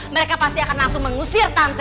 mereka pasti akan langsung mengusir pantai